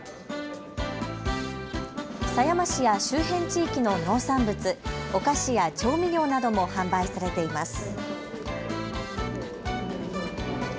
狭山市や周辺地域の農産物、お菓子や調味料なども販売されています。